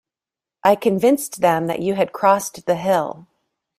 I convinced them that you had crossed the hill.